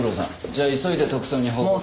じゃあ急いで特捜に報告。